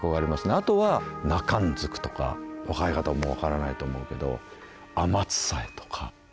あとは「なかんずく」とか若い方も分からないと思うけど「あまつさえ」とか。